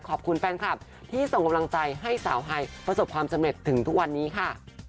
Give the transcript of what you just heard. ขอบคุณแฟนคลับที่ส่งกำลังใจให้สาวไฮประสบความสำเร็จถึงทุกวันนี้ค่ะ